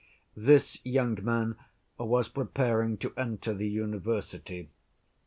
This young man was preparing to enter the university.